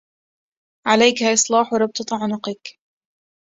عليك إصلاح ربطة عنقك.